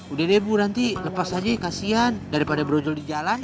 udah deh ibu nanti lepas aja ya kasihan daripada berujul di jalan